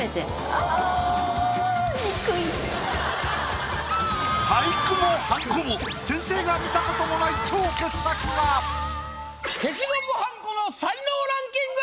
ああ俳句もはんこも先生が見たこともない消しゴムはんこの才能ランキング！